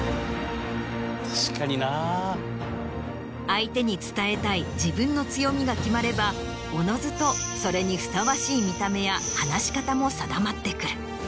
相手に伝えたい自分の強みが決まればおのずとそれにふさわしい見た目や話し方も定まってくる。